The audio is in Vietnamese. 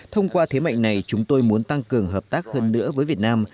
thông qua thế mạnh này chúng tôi muốn tăng cường hợp tác hơn nữa với việt nam